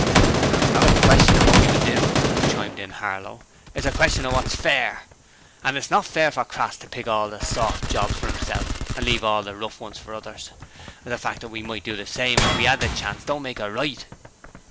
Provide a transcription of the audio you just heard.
'It's not a question of what we would do,' chimed in Harlow. 'It's a question of what's fair. If it's not fair for Crass to pick all the soft jobs for 'imself and leave all the rough for others, the fact that we might do the same if we 'ad the chance don't make it right.'